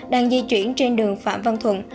đang di chuyển trên đường phạm văn thuận